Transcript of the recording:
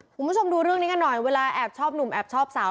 คุณผู้ชมดูเรื่องนี้กันหน่อยเวลาแอบชอบหนุ่มแอบชอบสาว